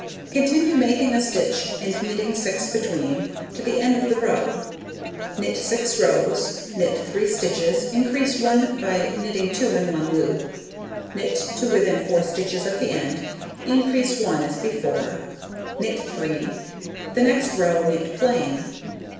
Continue making a stitch, and knitting 6 between, to the end of the row; knit 6 rows, knit 3 stitches, increase 1 by knitting 2 in one loop, knit to within 4 stitches of the end, increase 1 as before, knit 3, the next row knit plain.